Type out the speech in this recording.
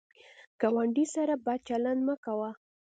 ګاونډي سره بد چلند مه کوه